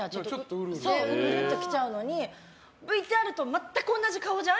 ウルウルきちゃうのにＶＴＲと全く同じ顔じゃん？